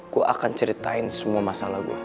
aku akan ceritain semua masalah gue